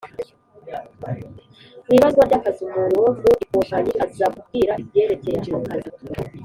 Mu ibazwa ry akazi umuntu wo mu ikompanyi azakubwira ibyerekeye akazi